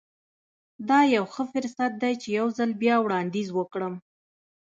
دا يو ښه فرصت دی چې يو ځل بيا وړانديز وکړم.